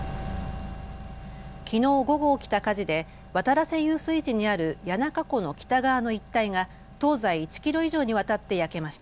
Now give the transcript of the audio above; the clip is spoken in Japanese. きのう午後起きた火事で渡良瀬遊水地にある谷中湖の北側の一帯が東西１キロ以上にわたって焼けました。